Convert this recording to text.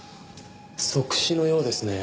即死のようですね。